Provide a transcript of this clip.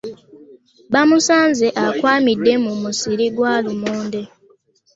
Baamusanze akwamidde mu musiri gwa lumonde.